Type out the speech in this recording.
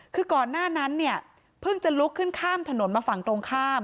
คือก่อนหน้านั้นเนี่ยเพิ่งจะลุกขึ้นข้ามถนนมาฝั่งตรงข้าม